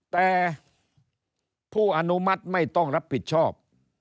แต่ผู้อนุมัติไม่ต้องรับผิดชอบ